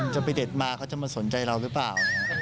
จะไปเด็ดมาเขาจะมาสนใจเราหรือเปล่า